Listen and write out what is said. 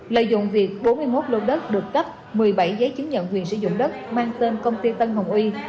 lợi dụng việc bốn mươi một lô đất được cấp một mươi bảy giấy chứng nhận quyền sử dụng đất mang tên công ty tân hồng uy